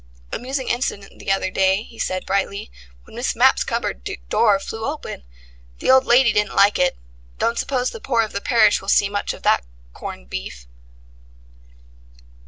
"Amusing incident the other day," he said brightly, "when Miss Mapp's cupboard door flew open. The old lady didn't like it. Don't suppose the poor of the parish will see much of that corned beef."